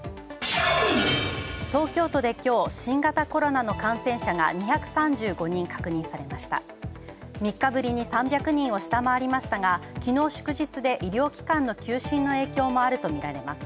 東京都で今日、新型コロナの感染者が２３５人確認されました３日ぶりに３００人を下回りましたがきのうの祝日で医療機関の休診の影響もあるとみられます